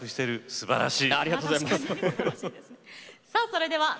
すばらしい！